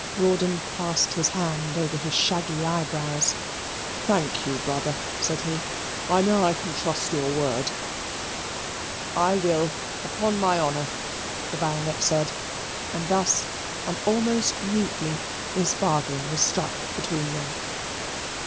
Rawdon passed his hand over his shaggy eyebrows. "Thank you, brother," said he. "I know I can trust your word." "I will, upon my honour," the Baronet said. And thus, and almost mutely, this bargain was struck between them.